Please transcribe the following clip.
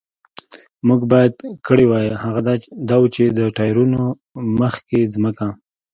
موږ باید کړي وای، هغه دا و، چې د ټایرونو مخکې ځمکه.